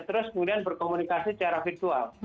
terus kemudian berkomunikasi secara virtual